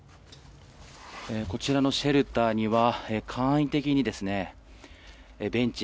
こちらのシェルターには簡易的にベンチ